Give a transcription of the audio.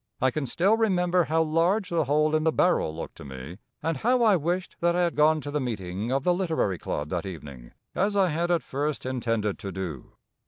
I can still remember how large the hole in the barrel looked to me, and how I wished that I had gone to the meeting of the Literary club that evening, as I had at first intended to do.